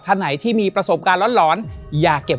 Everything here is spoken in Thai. และยินดีต้อนรับทุกท่านเข้าสู่เดือนพฤษภาคมครับ